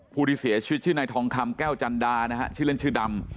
ผู้ที่เสียชีวิตชื่อนายทองคำแก้วจันดานะฮะชื่อเล่นชื่อดำ